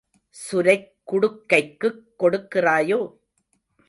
சுரைக் குடுக்கைக்குக் கொடுக்கிறாயோ?